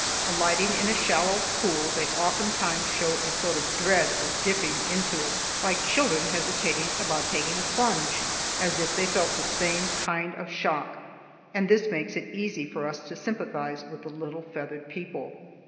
Alighting in a shallow pool, they oftentimes show a sort of dread of dipping into it, like children hesitating about taking a plunge, as if they felt the same kind of shock, and this makes it easy for us to sympathize with the little feathered people.